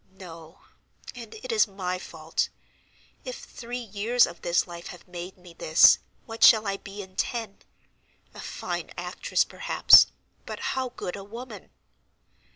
No, and it is my fault. If three years of this life have made me this, what shall I be in ten? A fine actress perhaps, but how good a woman?"